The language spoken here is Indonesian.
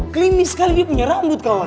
klinis sekali dia punya rambut kawan